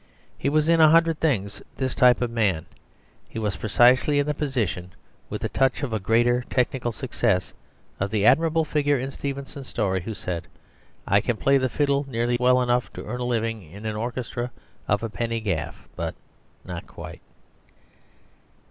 He was in a hundred things this type of man; he was precisely in the position, with a touch of greater technical success, of the admirable figure in Stevenson's story who said, "I can play the fiddle nearly well enough to earn a living in the orchestra of a penny gaff, but not quite."